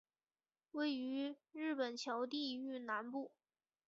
位于日本桥地域南部。